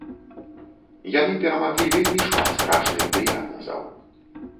Яны перамаглі вельмі шмат страшных дыягназаў.